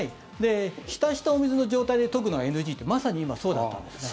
浸したお水の状態で研ぐのはＮＧってまさに今そうだったんですね。